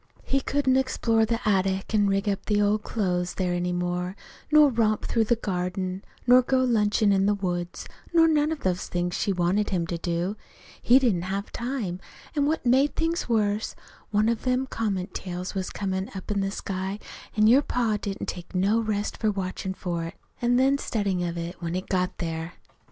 "He couldn't explore the attic an' rig up in the old clothes there any more, nor romp through the garden, nor go lunchin' in the woods, nor none of the things she wanted him to do. He didn't have time. An' what made things worse, one of them comet tails was comin' up in the sky, an' your pa didn't take no rest for watchin' for it, an' then studyin' of it when it got here.